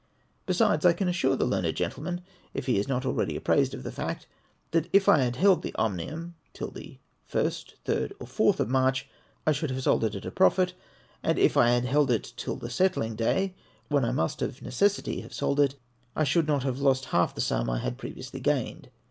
Besides, I can assure the learned gentleman, if he is not already apprised of the fact, that if I had held the Omnium till the 1st, 3rd, or 4th of March, I should have sold it at a profit ; and if I had held it till the settling day, when I must of necessity have sold it, I should not have lost half the sum I had previously gained.